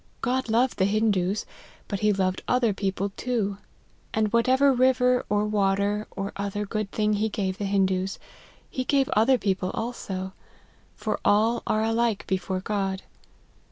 God loved the Hindoos, but he loved other peo ple too ; and whatever river, or water, or other good thing he gave the Hindoos, he gave other people also : for all are alike before God.